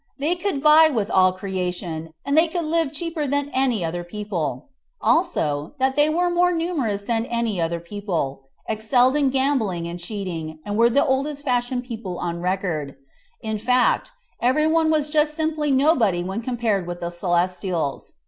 They could vie with all creation, and they could live cheaper than any other people; also, that they were more numerous than any other people, excelled in gambling and cheating, and were the oldest fashioned people on record. In fact, everybody was just simply nobody when compared with the Celestials.